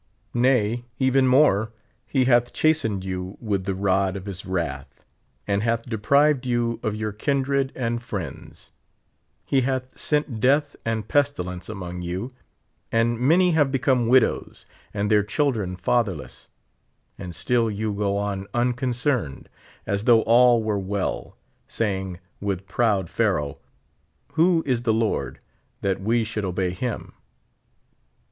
Nay, even more ; he hath chastened you with the rod of his wrath, and hath deprived you of your kindred and friends ; he hath sent death and pestilence among you, and many have become widows, and their children fatherless ; and still you go on unconcerned, as though all were well, saying, with proud Pharaoh :" Who is the Lord, that we should obey him?"